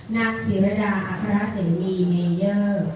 นางสิรดาอัคราเสมีเนเยอร์